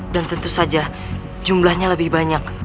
dan tentu saja jumlahnya lebih banyak